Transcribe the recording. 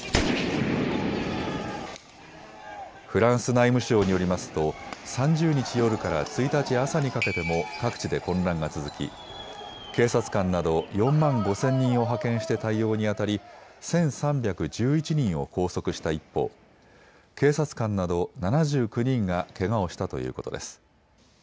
フランス内務省によりますと３０日夜から１日朝にかけても各地で混乱が続き、警察官など４万５０００人を派遣して対応にあたり１３１１人を拘束した一方、警察官など７９人がけがをしたということです。